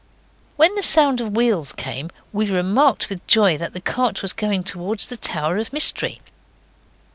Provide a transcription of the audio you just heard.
When the sound of wheels came we remarked with joy that the cart was going towards the Tower of Mystery.